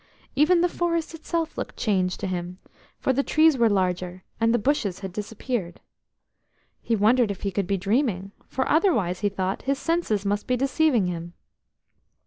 Even the forest itself looked changed to him, for the trees were larger, and the bushes had disappeared. He wondered if he could be dreaming, for otherwise, he thought, his senses must be deceiving him.